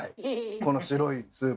この白いスープ。